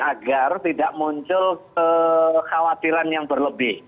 agar tidak muncul kekhawatiran yang berlebih